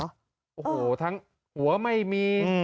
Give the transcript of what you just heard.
โอ้โหทั้งหัวไม่มี